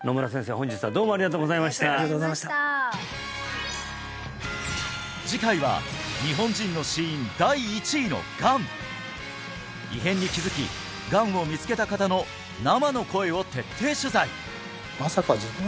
本日はどうもありがとうございましたありがとうございました次回は日本人の死因第１位のがん異変に気づきがんを見つけた方の生の声を徹底取材！